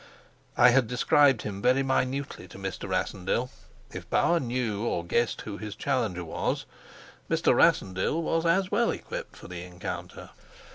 I had described him very minutely to Mr. Rassendyll; if Bauer knew or guessed who his challenger was, Mr. Rassendyll was as well equipped for the encounter.